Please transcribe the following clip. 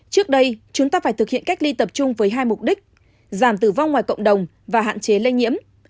trước đây chúng ta phải thực hiện cách ly tập trung với hai mục đích giảm tử vong ngoài cộng đồng và hạn chế lây nhiễm